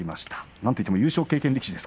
何といっても優勝経験力士です。